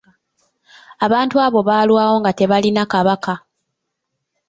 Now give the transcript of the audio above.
Abantu abo baalwawo nga tebalina kabaka.